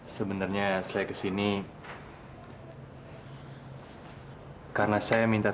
sakti dan talitha